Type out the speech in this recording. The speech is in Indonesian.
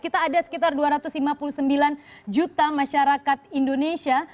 kita ada sekitar dua ratus lima puluh sembilan juta masyarakat indonesia